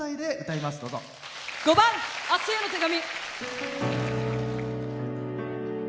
５番「明日への手紙」。